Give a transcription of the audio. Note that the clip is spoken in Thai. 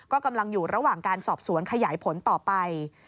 ก็กำลังอยู่ระหว่างการสอบสวนขยายผลต่อไป